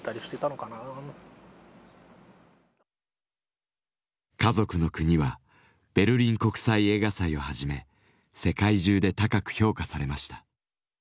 「かぞくのくに」はベルリン国際映画祭をはじめ世界中で高く評価されました。